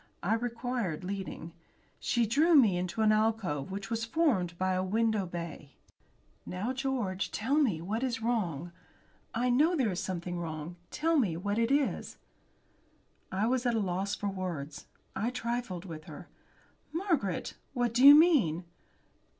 I required leading. She drew me into an alcove, which was formed by a window bay. "Now, George, tell me what is wrong. I know there is something wrong. Tell me what it is." I was at a loss for words. I trifled with her. "Margaret! What do you mean?"